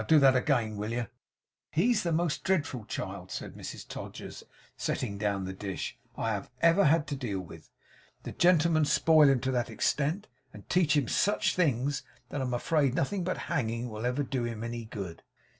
Do that again, will yer?' 'He's the most dreadful child,' said Mrs Todgers, setting down the dish, 'I ever had to deal with. The gentlemen spoil him to that extent, and teach him such things, that I'm afraid nothing but hanging will ever do him any good.